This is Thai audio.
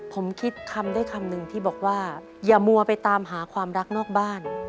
ผมคิดคำได้คำหนึ่งที่บอกว่าอย่ามัวไปตามหาความรักนอกบ้าน